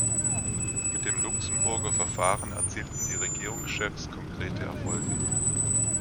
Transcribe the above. Mit dem Luxemburger Verfahren erzielten die Regierungschefs konkrete Erfolge.